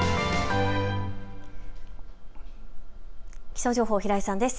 気象情報、平井さんです。